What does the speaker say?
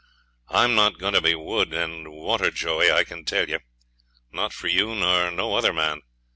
I'm not going to be wood and water Joey, I can tell ye, not for you nor no other men.